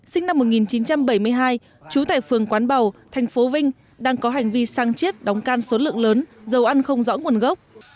sinh năm một nghìn chín trăm bảy mươi hai trú tại phường quán bầu thành phố vinh đang có hành vi sang chiết đóng can số lượng lớn dầu ăn không rõ nguồn gốc